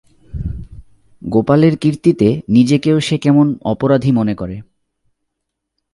গোপালের কীর্তিতে নিজেকেও সে কেমন অপরাধী মনে করে।